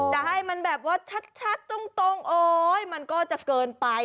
ให้มันแบบว่าชัดตรงโอ๊ยมันก็จะเกินไป